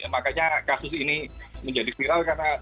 makanya kasus ini menjadi viral karena